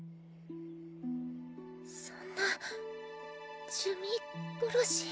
そんな珠魅殺し？